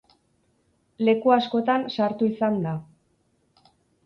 Leku askotan sartu izan da.